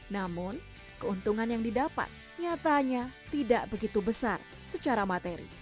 namun keuntungan yang didapat nyatanya tidak begitu besar secara materi